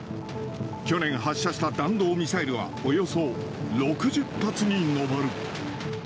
去年発射した弾道ミサイルは、およそ６０発に上る。